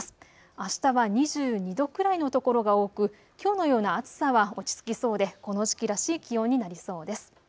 あしたは２２度くらいの所が多くきょうのような暑さは落ち着きそうでこの時期らしい気温になりそうです。